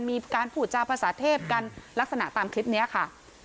มีการพูดจาภาษาเทพกันลักษณะตามคลิปนี้ค่ะ